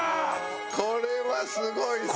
これはすごいです。